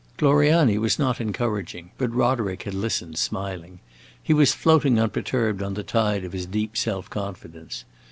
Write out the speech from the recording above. Gloriani was not encouraging, but Roderick had listened smiling. He was floating unperturbed on the tide of his deep self confidence.